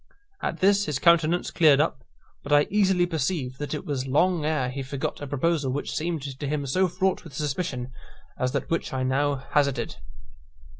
At this his countenance cleared up: but I easily perceived that it was long ere he forgot a proposal which seemed to him so fraught with suspicion as that which I had now hazarded.